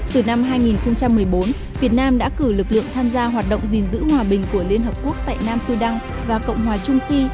từ năm hai nghìn một mươi bốn việt nam đã cử lực lượng tham gia hoạt động gìn giữ hòa bình của liên hợp quốc tại nam sudan và cộng hòa trung phi